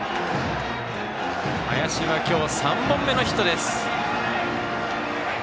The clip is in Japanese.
林は今日、３本目のヒットです。